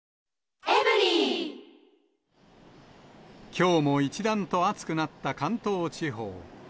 きょうも一段と暑くなった関東地方。